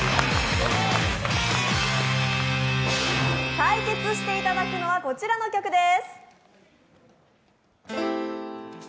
対決していただくのはこちらの曲です。